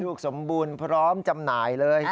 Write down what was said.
สมบูรณ์พร้อมจำหน่ายเลย